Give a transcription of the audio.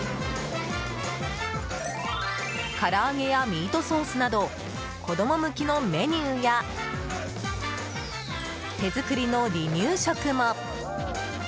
から揚げやミートソースなど子供向きのメニューや手作りの離乳食も。